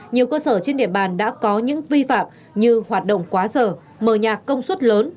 nhiều cơ sở trên địa bàn đã có những vi phạm như hoạt động quá giờ mờ nhạt công suất lớn